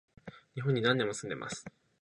日本に何年も住んでます